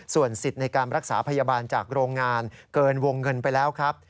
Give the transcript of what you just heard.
ส่วนสิทธิ์ในการรักษาพยาบาลจากโรงงานเกินวงเงินไปแล้วครับ